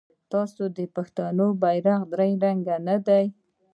آیا د پښتنو بیرغ درې رنګه نه دی؟